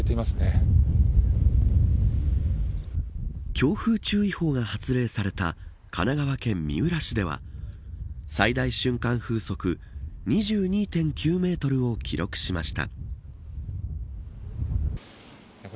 強風注意報が発令された神奈川県三浦市では最大瞬間風速２２．９メートルを記録しました。